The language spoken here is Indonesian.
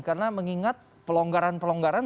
karena mengingat pelonggaran pelonggaran